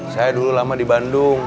saya dulu lama di bandung